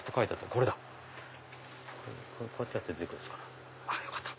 こうやってやったら出て来るんですかね。